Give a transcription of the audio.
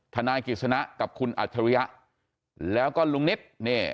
ทนายกิจสนักษ์กับคุณอัจฉริยะแล้วก็ลุงนิดเนี่ย